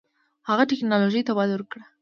هغه ټیکنالوژۍ ته وده ورکړه.